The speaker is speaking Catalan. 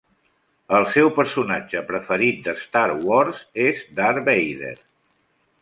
El seu personatge preferit de Star Wars és Darth Vader.